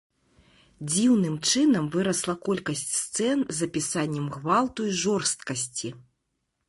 Дзіўным чынам вырасла колькасць сцэн з апісаннем гвалту і жорсткасці.